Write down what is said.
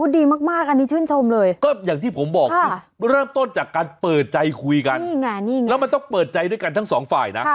แล้วมันต้องเปิดใจด้วยกันทั้งสองฝ่ายนะ